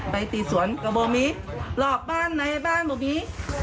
ไปตีสวนก็บ่มีเหลอบบ้านไหนบ้างบ่มี